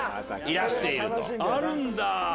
あるんだ。